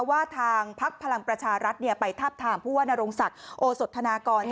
ว่าทางภักษ์พลังประชารัฐเนี่ยไปทับถามผู้ว่านโรงศัตริย์โอสุธนากร